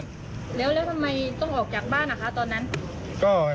แล้วทำไมต้องออกจากบ้านตอนนั้น